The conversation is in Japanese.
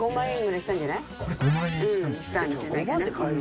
うんしたんじゃないかな